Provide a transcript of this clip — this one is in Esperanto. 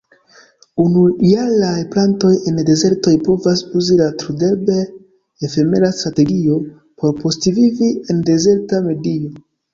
Unujaraj plantoj en dezertoj povas uzi la trudherb-efemera strategio por postvivi en dezerta medio.